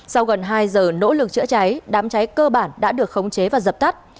sau gần hai giờ nỗ lực chữa cháy đám cháy cơ bản đã được khống chế và dập tắt